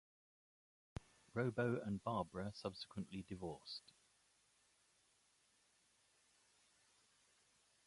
Robo and Barbara subsequently divorced.